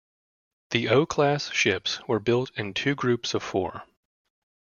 The O-class ships were built in two groups of four.